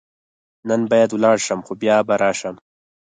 نن باید ولاړ شم، خو بیا به راشم.